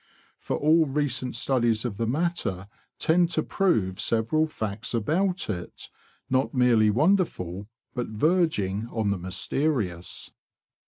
For all recent studies of the matter tend to prove several facts about it not merely wonderful, but verging on the mysterious.